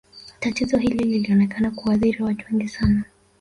tatizo hili lilionekana kuwaathiri watu wengi sana